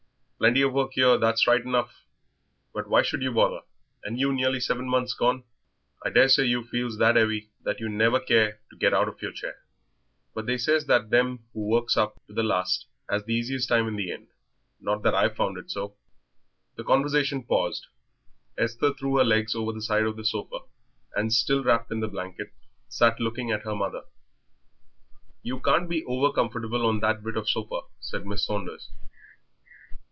"Plenty of work here, that's right enough. But why should you bother, and you nearly seven months gone? I daresay you feels that 'eavy that you never care to get out of your chair. But they says that them who works up to the last 'as the easiest time in the end. Not that I've found it so." The conversation paused. Esther threw her legs over the side of the sofa, and still wrapped in the blanket, sat looking at her mother. "You can't be over comfortable on that bit of sofa," said Mrs. Saunders.